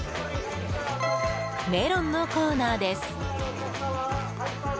メロンのコーナーです。